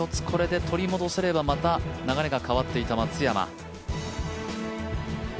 これで取り戻せればまた流れが変わっていくか松山。